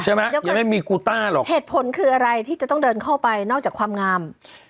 ยังไม่มีกูต้าหรอกเหตุผลคืออะไรที่จะต้องเดินเข้าไปนอกจากความงาม